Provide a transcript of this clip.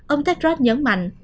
ông terod nhấn mạnh